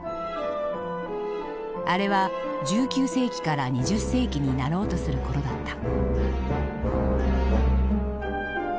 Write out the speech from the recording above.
あれは１９世紀から２０世紀になろうとする頃だった。